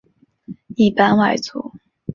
一般外族。